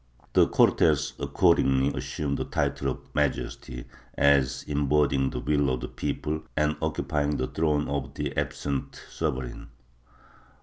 ^ The Cortes accordingly assumed the title of Majesty, as embodying the will of the people and occupying the throne of the absent sovereign.